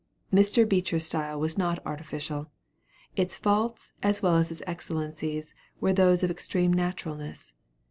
Mr. Beecher's style was not artificial; its faults as well as its excellences were those of extreme naturalness.